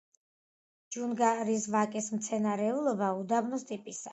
ჯუნგარის ვაკის მცენარეულობა უდაბნოს ტიპისაა.